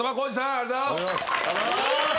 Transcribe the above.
ありがとうございます！